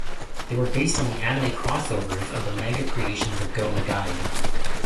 They were based on the anime crossovers of the manga creations of Go Nagai.